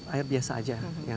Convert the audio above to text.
air biasa aja